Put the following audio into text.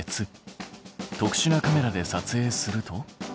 特殊なカメラでさつえいすると。